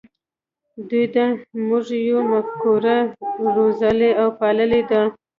دوی د "موږ یو" مفکوره روزلې او پاللې ده.